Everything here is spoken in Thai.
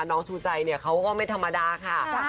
น้องชูใจเนี่ยเขาก็ไม่ธรรมดาค่ะ